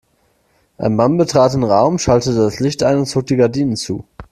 Ein Mann betrat den Raum, schaltete das Licht ein und zog die Gardinen zu.